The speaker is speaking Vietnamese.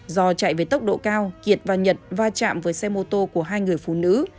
do chạy với tốc độ cao kiệt và nhật va chạm với xe mô tô của hai người phụ nữ